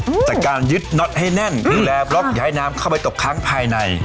จากการยึดน็อตให้แน่นดูแลบล็อกย้ายน้ำเข้าไปตกค้างภายใน